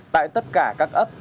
tại tất cả các ấp